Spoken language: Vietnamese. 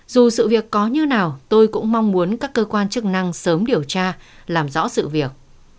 dù sự việc có như nào tôi cũng mong muốn các cơ quan chức năng sớm điều tra làm rõ sự việc